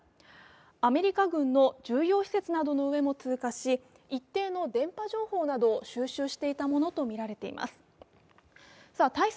アメリカ軍の重要施設などの上も通過し一定の電波情報などを収集していたものとみられています。